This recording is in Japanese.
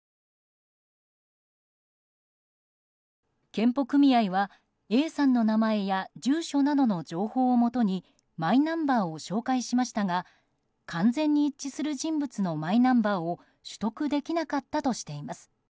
健保組合はＡさんの名前や住所などの情報をもとにマイナンバーを照会しましたが完全に一致する人物のマイナンバーを取得できなかったとしています。